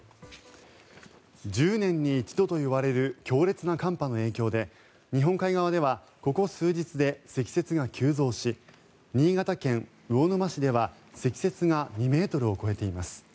１０年に一度と言われる強烈な寒波の影響で日本海側ではここ数日で積雪が急増し新潟県魚沼市では積雪が２ｍを超えています。